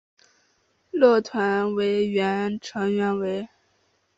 乐团的原成员为。